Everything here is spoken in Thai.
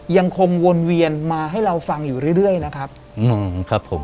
ยังคงวนเวียนมาให้เราฟังอยู่เรื่อยเรื่อยนะครับอืมครับผม